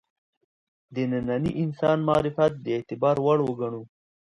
د ننني انسان معرفت د اعتبار وړ وګڼو.